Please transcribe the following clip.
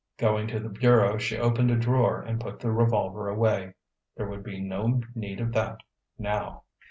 Going to the bureau, she opened a drawer and put the revolver away. There would be no need of that, now.